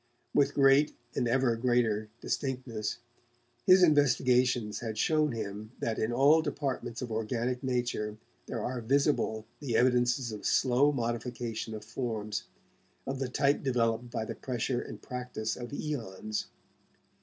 With great and ever greater distinctness, his investigations had shown him that in all departments of organic nature there are visible the evidences of slow modification of forms, of the type developed by the pressure and practice of aeons.